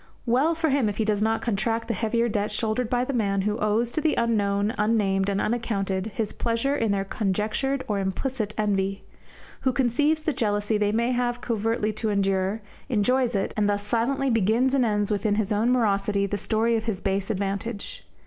Well for him if he does not contract the heavier debt shouldered by the man who owes to the unknown, un named, and uncounted his pleasure in their conjectured or implicit envy; who conceives the jealousy they may have covertly to endure, enjoys it, and thus silently begins and ends within his own morosity the story of his base advantage.